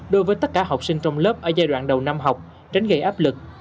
đối với tất cả học sinh trong lớp ở giai đoạn đầu năm học tránh gây áp lực